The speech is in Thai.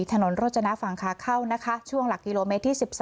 ถนนโรจนะฝั่งขาเข้านะคะช่วงหลักกิโลเมตรที่๑๓